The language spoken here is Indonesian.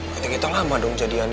ketika itu lama dong jadiannya